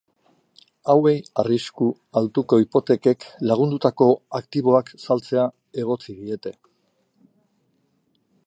Hauei arrisku altuko hipotekek lagundutako aktiboak saltzea egotzi diete.